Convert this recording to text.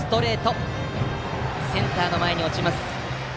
センターの前に落ちます。